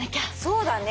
そうだね。